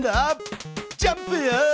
ジャンプ！